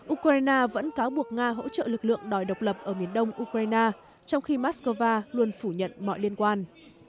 ukraine vẫn cáo buộc nga hỗ trợ lực lượng đòi độc lập ở miền đông ukraine trong khi moscow luôn phủ nhận mọi liên quan